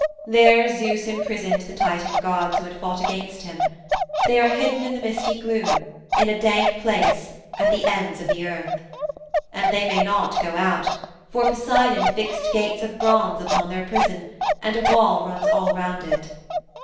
There Zeus imprisoned the Titan gods who had fought against him; they are hidden in the misty gloom, in a dank place, at the ends of the Earth. And they may not go out, for Poseidon fixed gates of bronze upon their prison, and a wall runs all round it.